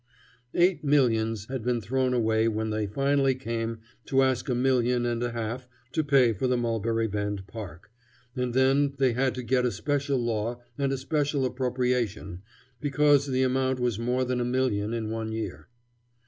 Eight millions had been thrown away when they finally came to ask a million and a half to pay for the Mulberry Bend park, and then they had to get a special law and a special appropriation because the amount was more than "a million in one year."